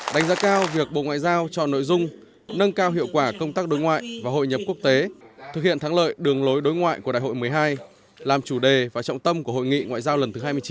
đánh giá cao việc bộ ngoại giao cho nội dung nâng cao hiệu quả công tác đối ngoại và hội nhập quốc tế thực hiện thắng lợi đường lối đối ngoại của đại hội một mươi hai làm chủ đề và trọng tâm của hội nghị ngoại giao lần thứ hai mươi chín